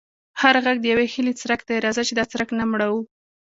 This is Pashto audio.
هر غږ د یوې هیلې څرک دی، راځه چې دا څرک نه مړوو.